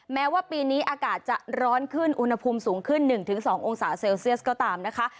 แม้ว่าปีนี้อากาศจะร้อนขึ้นอุณหภูมิสูงขึ้น๑๒องศาเซลเซียสก็ตามนะคะ